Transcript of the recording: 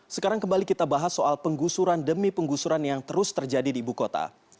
sekarang kembali kita bahas soal penggusuran demi penggusuran yang terus terjadi di ibu kota